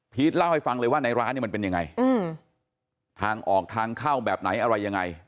เล่าให้ฟังเลยว่าในร้านเนี่ยมันเป็นยังไงทางออกทางเข้าแบบไหนอะไรยังไง